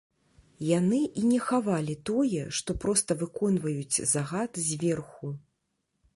Яны і не хавалі тое, што проста выконваюць загад зверху.